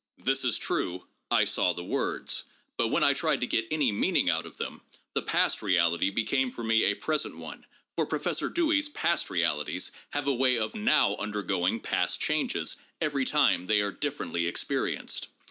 This is true : I saw the words. But when I tried to get any meaning out of them, the ' past ' reality became for me a present one, for Professor Dewey's past realities have a way of now undergoing past changes every time they are differently experienced.